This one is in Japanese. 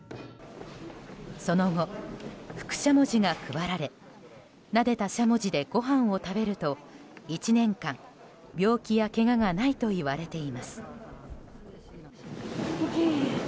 その後、福しゃもじが配られなでたしゃもじでご飯を食べると１年間、病気やけががないといわれています。